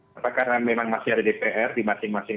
karena memang masih ada dpr di masing masing